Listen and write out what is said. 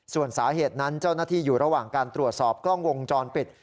ส่วนสาเหตุนั้นเจ้าหน้าที่อยู่ระหว่างการตรวจสอบกล้องวงจรปิด